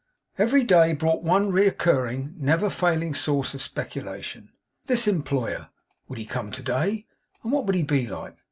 Every day brought one recurring, never failing source of speculation. This employer; would he come to day, and what would he be like?